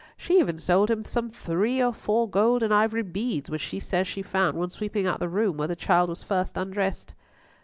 She even sold him some three or four gold and ivory beads which she says she found when sweeping out the room where the child was first undressed."